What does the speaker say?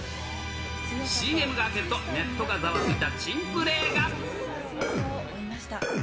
ＣＭが明けると、ネットがざわついた珍プレーが。